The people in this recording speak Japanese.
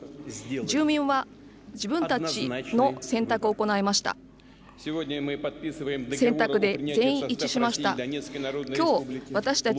住民は自分たちの選択を行いました。